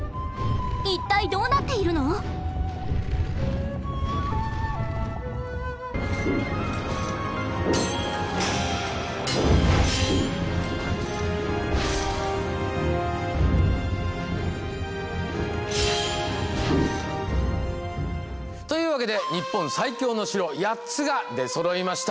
一体どうなっているの⁉というわけで日本最強のお城８つが出そろいました。